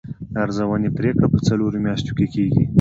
د ارزونې پریکړه په څلورو میاشتو کې کیږي.